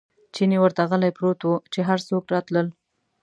چیني ورته غلی پروت و، چې هر څوک راتلل.